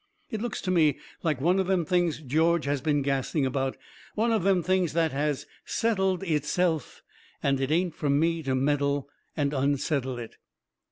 It looks to me like one of them things George has been gassing about one of them things that has settled itself, and it ain't fur me to meddle and unsettle it.